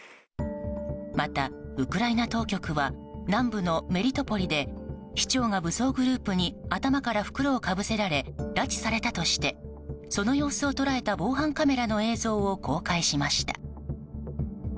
また、ウクライナ当局は南部のメリトポリで市長が武装グループに頭から袋をかぶせられ拉致されたとしてその様子を捉えた防犯カメラの映像を公開しました。